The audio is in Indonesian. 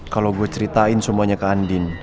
kalau gue ceritain semuanya ke andin